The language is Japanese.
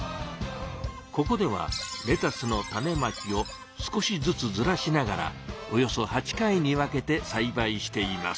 ここではレタスの種まきを少しずつずらしながらおよそ８回に分けてさいばいしています。